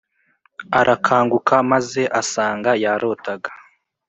arakanguka maze asanga yarotaga